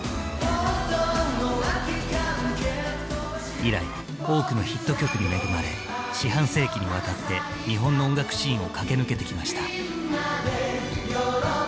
以来多くのヒット曲に恵まれ四半世紀にわたって日本の音楽シーンを駆け抜けてきました。